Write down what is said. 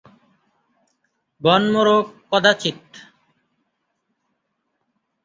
বনমোরগ কদাচিৎ।